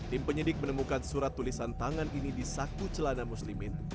tim penyidik menemukan surat tulisan tangan ini di saku celana muslimin